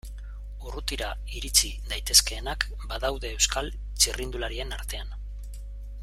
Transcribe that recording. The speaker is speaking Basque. Urrutira iritsi daitezkeenak badaude Euskal txirrindularien artean.